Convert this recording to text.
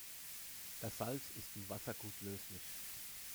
Das Salz ist in Wasser gut löslich.